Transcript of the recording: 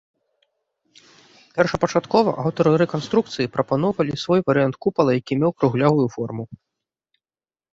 Першапачаткова аўтары рэканструкцыі прапаноўвалі свой варыянт купала, які меў круглявую форму.